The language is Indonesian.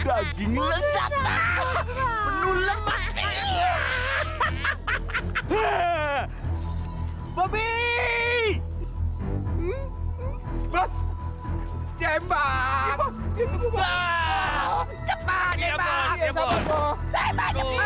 ayo cepat tembak